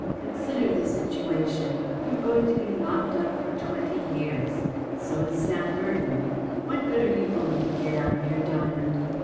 Con¬ sider the situation. You are going to be locked up for twenty years. So is Sam Merton. What good are you going to get out of your diamond